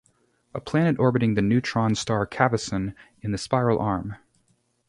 A planet orbiting the neutron star Cavesson in the Spiral arm.